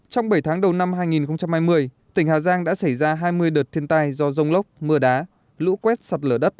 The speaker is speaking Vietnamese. trong bảy tháng đầu năm hai nghìn hai mươi tỉnh hà giang đã xảy ra hai mươi đợt thiên tai do rông lốc mưa đá lũ quét sạt lở đất